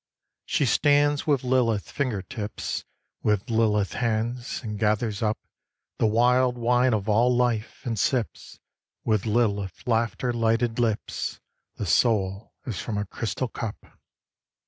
She stands with Lilith finger tips, With Lilith hands; and gathers up The wild wine of all life; and sips With Lilith laughter lightened lips The soul as from a crystal cup.